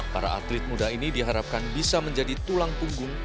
para atlet muda ini diharapkan bisa menjadi tulang punggung